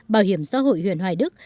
bảo hiểm xã hội huyện hoài đức